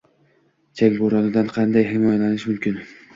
Chang bo‘ronidan qanday himoyalanish mumkin?ng